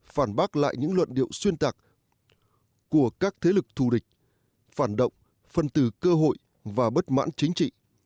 phản bác lại những luận điệu xuyên tạc của các thế lực thù địch phản động phân từ cơ hội và bất mãn chính trị